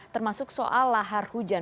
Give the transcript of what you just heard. termasuk soal lahar hujan